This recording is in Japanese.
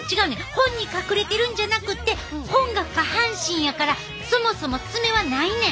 本に隠れてるんじゃなくて本が下半身やからそもそも爪はないねん。